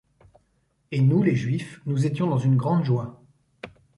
Et nous les juifs, nous étions dans une grande joie.